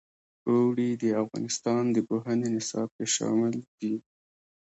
اوړي د افغانستان د پوهنې نصاب کې شامل دي.